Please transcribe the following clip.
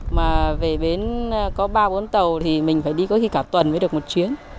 mà về bến có ba bốn tàu thì mình phải đi có khi cả tuần mới được một chuyến